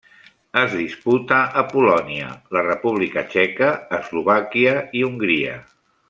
Es disputa a Polònia, la República Txeca, Eslovàquia i Hongria.